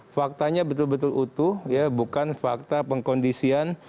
faktanya betul betul utuh ya bukan fakta pengkondisian